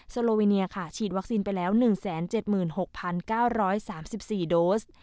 โลวิเนียค่ะฉีดวัคซีนไปแล้ว๑๗๖๙๓๔โดส